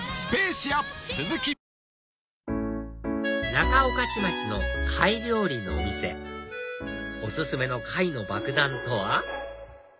仲御徒町の貝料理のお店お薦めの貝のばくだんとは？